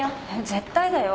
絶対だよ？